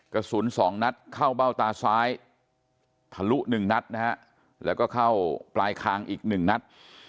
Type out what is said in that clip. กระสุน๒นัดเข้าเบ้าตาซ้ายทะลุ๑นัดนะฮะแล้วก็เข้าปลายคางอีก๑นัด